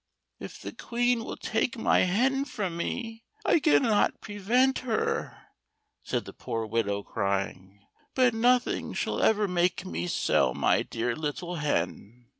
"If the Queen will take my hen from me, I cannot prevent her," said the poor widow, crying, " but no thing shall ever make me sell my dear little hen."